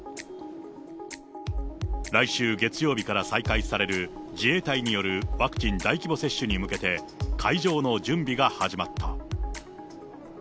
来週月曜日から再開される、自衛隊によるワクチン大規模接種に向けて、会場の準備が始まった。